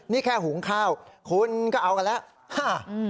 นี่แค่หุงข้าวคุณก็เอากันแล้ว